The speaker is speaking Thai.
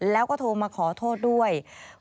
แล้วก็โทรมาขอโทษด้วย